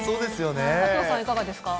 加藤さん、いかがですか。